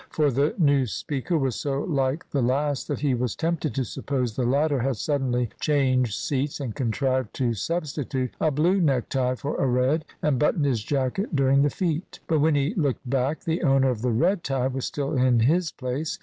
For the new speaker was so like the last that he was tempted to suppose the latter had suddenly changed seats and contrived to substitute a blue necktie for a red, and button his jacket during the feat. But when he looked back, the owner of the red tie was still in his place.